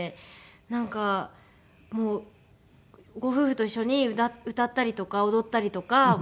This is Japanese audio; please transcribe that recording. なんかもうご夫婦と一緒に歌ったりとか踊ったりとかものまねしたりとか。